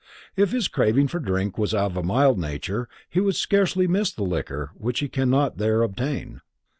If his craving for drink was of a mild nature, he would scarcely miss the liquor which he cannot there obtain.